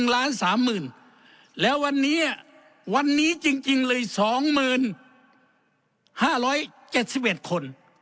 ๑๓ล้านแล้ววันนี้จริงเลย๒๕๗๑คน